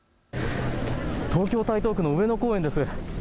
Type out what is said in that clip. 東京台東区の上野公園です。